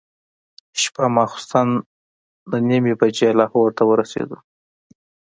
شپه ماخوستن نهه نیمې بجې لاهور ته ورسېدو.